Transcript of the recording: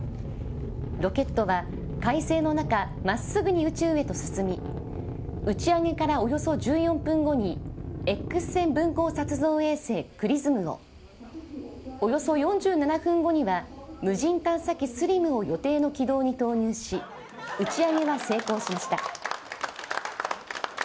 ロケットは快晴の中真っすぐに宇宙へと進み打ち上げからおよそ１４分後にＸ線分光撮像衛星ＸＲＩＳＭをおよそ４７分後には無人探査機ＳＬＩＭを予定の軌道に投入し打ち上げは成功しました。